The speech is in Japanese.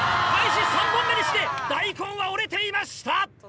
開始３本目にして大根は折れていました！